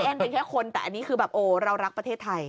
เป็นแค่คนแต่อันนี้คือแบบโอ้เรารักประเทศไทย